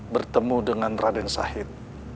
bertemu dengan raden syahid